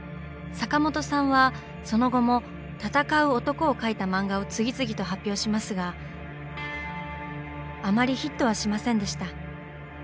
坂本さんはその後も「戦う男」を描いた漫画を次々と発表しますがあまりヒットはしませんでした。